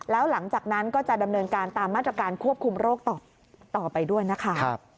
แล้วหลังจากนั้นก็จะดำเนินการตามมาตรการควบคุมโรคต่อไปด้วยนะคะ